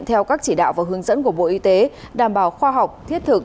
theo các chỉ đạo và hướng dẫn của bộ y tế đảm bảo khoa học thiết thực